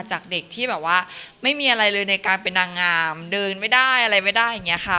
จากเด็กที่แบบว่าไม่มีอะไรเลยในการเป็นนางงามเดินไม่ได้อะไรไม่ได้อย่างนี้ค่ะ